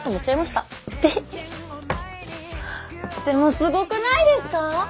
でもすごくないですか？